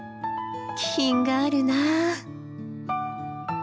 気品があるなあ。